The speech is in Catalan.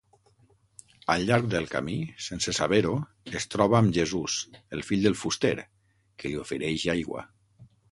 Al llarg del camí, sense saber-ho, es troba amb Jesús, el fill del fuster, que li ofereix aigua.